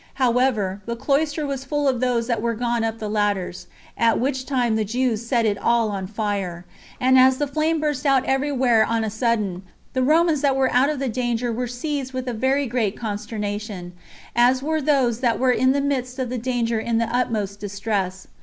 However, the cloister was full of those that were gone up the ladders; at which time the Jews set it all on fire; and as the flame burst out every where on the sudden, the Romans that were out of the danger were seized with a very great consternation, as were those that were in the midst of the danger in the utmost distress.